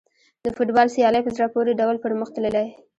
د فوټبال سیالۍ په زړه پورې ډول پرمخ تللې.